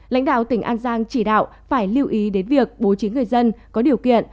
lãnh đạo tỉnh an giang chỉ đạo phải lưu ý đến việc bố trí người dân có điều kiện